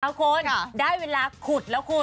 ดีต้อนรับคุณได้เวลาขุดแล้วครู